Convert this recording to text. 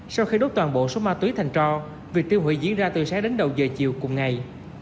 sau khi đốt toàn bộ số ma túy thành cho việc tiêu hủy diễn ra từ sáng đến đầu giờ chiều cùng ngày